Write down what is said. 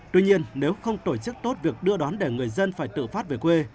tuy nhiên nếu không tổ chức tốt việc đưa đón để người dân phải tự phát về quê